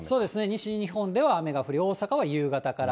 西日本では雨が降り、大阪では夕方から。